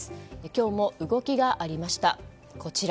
今日も動きがありました。